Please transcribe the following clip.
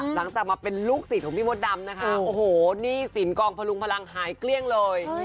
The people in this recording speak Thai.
หลังจากมาเป็นลูกศิษย์ของพี่มดดำนะคะโอ้โหหนี้สินกองพลุงพลังหายเกลี้ยงเลย